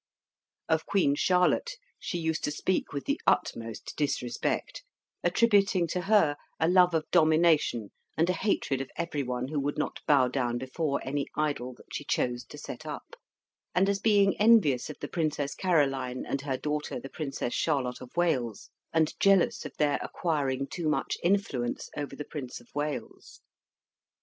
Of Queen Charlotte she used to speak with the utmost disrespect, attributing to her a love of domination and a hatred of every one who would not bow down before any idol that she chose to set up; and as being envious of the Princess Caroline and her daughter the Princess Charlotte of Wales, and jealous of their acquiring too much influence over the Prince of Wales.